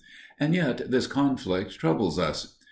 And yet this conflict troubles us.